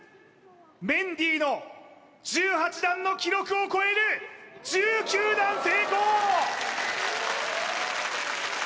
メンディーの１８段の記録を超える１９段成功！